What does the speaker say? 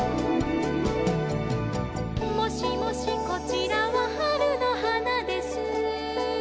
「もしもしこちらははるのはなです」